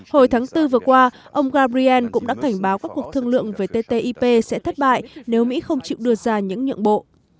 hồi tháng bốn vừa qua ông gabriel cũng đã cảnh báo các cuộc thương lượng về ttip sẽ thất bại nếu mỹ không chịu đưa ra những nhượng bộ